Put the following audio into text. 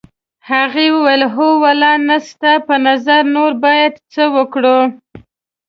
هغې وویل هو ولې نه ستا په نظر نور باید څه وکړو.